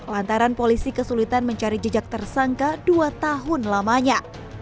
lantaran polisi kesulitan mencari jejak tersangka dua tahun lamanya